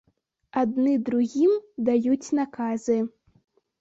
Адны другім даюць наказы.